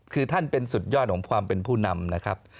คือท่านเป็นสุดยอดของความเป็นผู้นำนะครับ